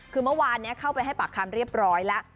คือเมื่อวานนี้เข้าไปให้ปากคำเรียบร้อยแล้ว